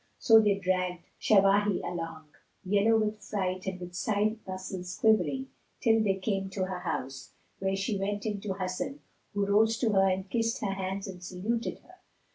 So they dragged Shawahi along, yellow with fright and with side muscles quivering, till they came to her house, where she went in to Hasan, who rose to her and kissed her hands and saluted her.